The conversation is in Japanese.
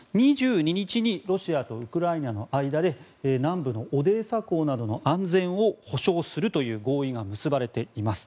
２２日にロシアとウクライナの間で南部のオデーサ港などの安全を保証するという合意が結ばれています。